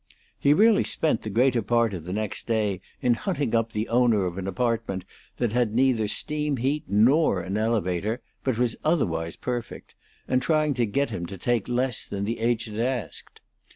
He really spent the greater part of the next day in hunting up the owner of an apartment that had neither steam heat nor an elevator, but was otherwise perfect, and trying to get him to take less than the agent asked.